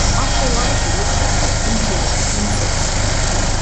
After a while she looked into the tin saucepan.